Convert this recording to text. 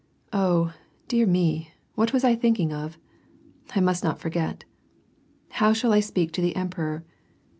"Oh, dear me, what was I thinking of? I must not forget. How shall I speak to the emperor?